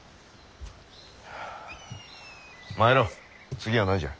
次は何じゃ。